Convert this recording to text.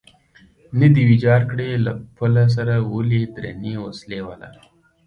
نه دی ویجاړ کړی، له پله سره ولې درنې وسلې والا.